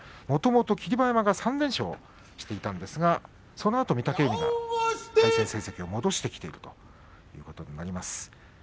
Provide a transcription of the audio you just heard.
もともと霧馬山は３連勝していたんですがそのあと御嶽海が対戦成績を戻してきているということになります。